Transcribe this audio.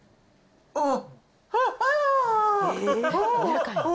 あっ！